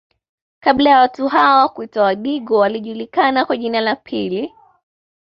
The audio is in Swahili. Kabla ya watu hawa kuitwa wadigo walijulikana kwa jina lipi